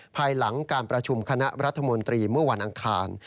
ภายหลังการประชุมคณะรัฐมนตรีเมื่อวันอังคาร